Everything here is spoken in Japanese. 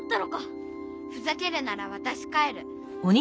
ふざけるならわたし帰る。